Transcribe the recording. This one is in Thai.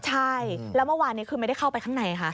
ใช่แล้วเมื่อวานนี้คือไม่ได้เข้าไปข้างในค่ะ